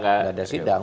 tidak ada sidang